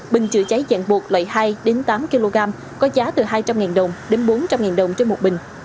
bình chữa cháy dạng bột loại hai đến tám kg có giá từ hai trăm linh ngàn đồng đến bốn trăm linh ngàn đồng trên một bình